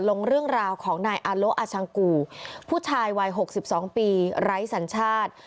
ลงเรื่องราวของนายอาโลอาชังกูผู้ชายวัย๖๒ปีไร้สัญชาติ